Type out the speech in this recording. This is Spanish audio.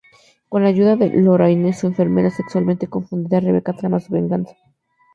Con la ayuda de Lorraine, su enfermera sexualmente confundida, Rebecca trama su venganza.